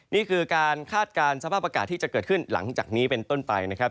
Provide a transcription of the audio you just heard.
นี่คือการคาดการณ์สภาพอากาศที่จะเกิดขึ้นหลังจากนี้เป็นต้นไปนะครับ